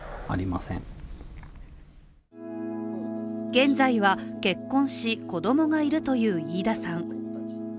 現在は結婚し、子供がいるという飯田さん。